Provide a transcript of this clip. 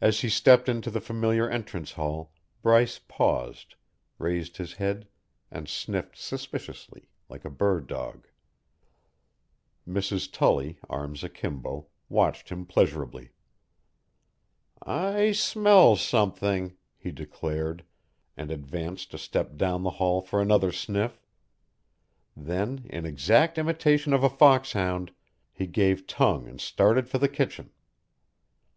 As he stepped into the familiar entrance hall, Bryce paused, raised his head and sniffed suspiciously, like a bird dog. Mrs. Tully, arms akimbo, watched him pleasurably. "I smell something," he declared, and advanced a step down the hall for another sniff; then, in exact imitation of a foxhound, he gave tongue and started for the kitchen. Mrs.